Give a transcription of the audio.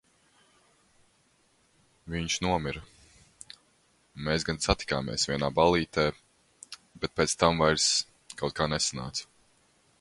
Viņš nomira. Mēs gan satikāmies vienā ballītē, bet pēc tam vairs kaut kā nesanāca.